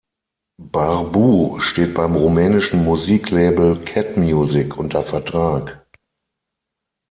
Barbu steht beim rumänischen Musiklabel Cat Music unter Vertrag.